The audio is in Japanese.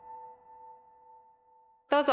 どうぞ！